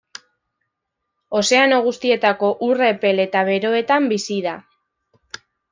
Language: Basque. Ozeano guztietako ur epel eta beroetan bizi da.